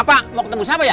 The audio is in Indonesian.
bapak mau ketemu siapa ya